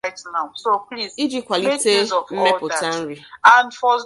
iji kwalite mmepụta nri.